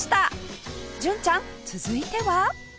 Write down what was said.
純ちゃん続いては？